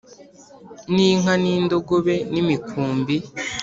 N inka n indogobe n imikumbi